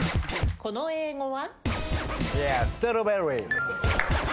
この英語は？